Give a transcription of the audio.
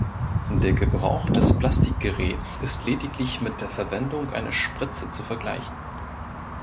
Der Gebrauch des Plastikgeräts ist lediglich mit der Verwendung einer Spritze zu vergleichen.